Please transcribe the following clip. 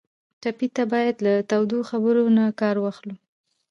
ټپي ته باید له تودو خبرو نه کار واخلو.